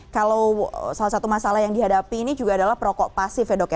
kalau salah satu masalah yang dihadapi ini juga adalah perokok pasif ya dok ya